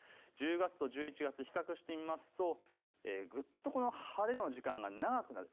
１０月と１１月、比較してみますと、ぐっと晴れの時間が長くなる。